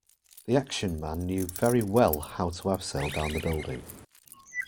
The action man knew very well how to abseil down the building